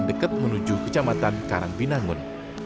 dekat menuju kecamatan karangpinangun